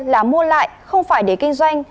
là mua lại không phải để kinh doanh